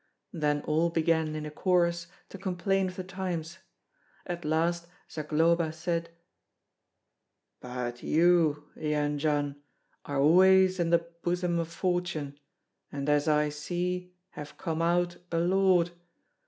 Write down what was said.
Then all began in a chorus to complain of the times; at last Zagloba said, "But you, Jendzian, are always in the bosom of fortune, and as I see have come out a lord.